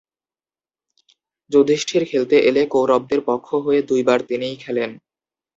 যুধিষ্ঠির খেলতে এলে কৌরবদের পক্ষ হয়ে দুইবার তিনিই খেলেন।